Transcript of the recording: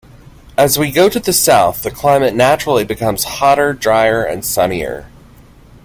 As we go to the south, the climate naturally becomes hotter, drier and sunnier.